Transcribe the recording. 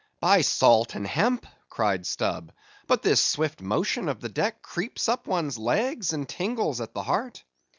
"By salt and hemp!" cried Stubb, "but this swift motion of the deck creeps up one's legs and tingles at the heart.